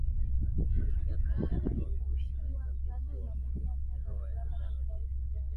malkia Kandake wa Kushi katika mji mkuu wa Meroe Agano Jipya